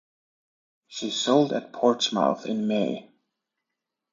She sold at Portsmouth in May.